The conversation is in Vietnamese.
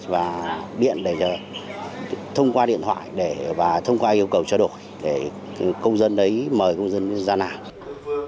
và điện để thông qua điện thoại và thông qua yêu cầu cho đội để công dân đấy mời công dân ra nạp